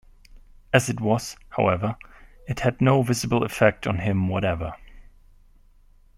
As it was, however, it had no visible effect on him whatever.